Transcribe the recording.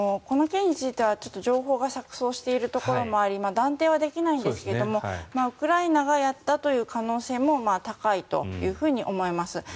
この件については情報が錯そうしているところもあり断定はできないんですがウクライナがやったという可能性も高いと思います。